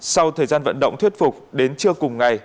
sau thời gian vận động thuyết phục đến trưa cùng ngày